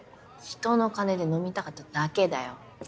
人の金で飲みたかっただけだよ。